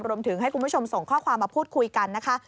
รวมถึงให้คุณผู้ชมส่งข้อความมาพูดคุยกันนะคะ